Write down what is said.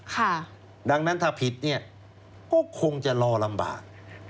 ค่ะดังนั้นถ้าผิดเนี่ยก็คงจะรอลำบาก